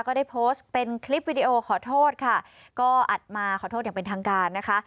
ก็ได้โพสต์เป็นคลิปวิดีโอขอโทษค่ะก็อัดมาขอโทษอย่างเป็นทางการนะคะ